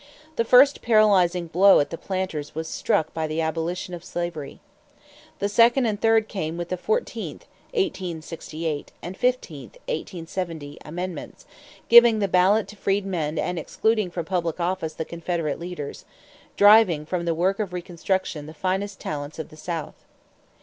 The first paralyzing blow at the planters was struck by the abolition of slavery. The second and third came with the fourteenth (1868) and fifteenth (1870) amendments, giving the ballot to freedmen and excluding from public office the Confederate leaders driving from the work of reconstruction the finest talents of the South.